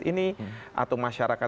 ini atau masyarakat